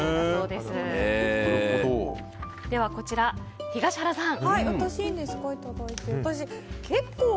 ではこちら、東原さん。